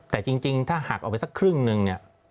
แต่จริงถ้าหักเอาไปสักครึ่งนึง